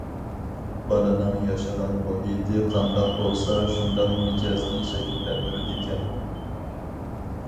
بالىنىڭ ياشىغان مۇھىتى قانداق بولسا شۇنداق مىجەزنى شەكىللەندۈرىدىكەن.